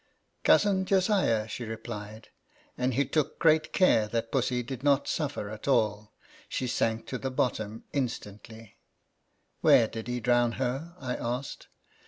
Cousin Josiah," she replied ;" and he took great care that Pussy did not suffer at all. She sank to the bottom instantly." INTRODUCTION. 23 " Where did he drown her ?" I asked.